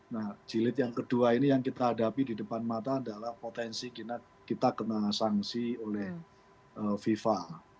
nah jilid yang kedua ini yang kita hadapi di depan mata adalah potensi kita kena sanksi oleh fifa